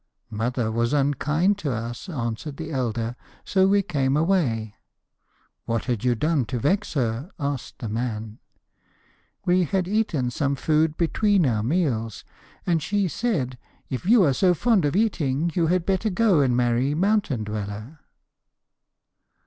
'Mother was unkind to us,' answered the elder, 'so we came away.' 'What had you done to vex her?' asked the man. 'We had eaten some food between our meals, and she said, "If you are so fond of eating, you had better go and marry Mountain Dweller."'